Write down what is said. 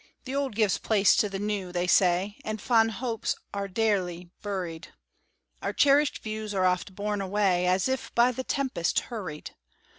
"The old gives place to the new," they say, "And fond hopes are daily buried; Our cherished views are oft borne away, As if by the tempest hurried.